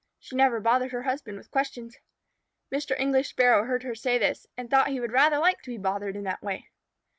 She never bothered her husband with questions. Mr. English Sparrow heard her say this, and thought he would rather like to be bothered in that way.